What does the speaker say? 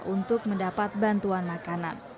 untuk mendapat bantuan makanan